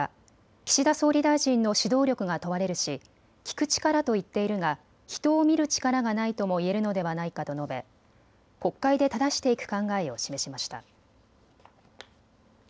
岸田総理大臣の指導力が問われるし聞く力と言っているが人を見る力がないとも言えるのではないかと述べ国会でただしていく考えを示しました。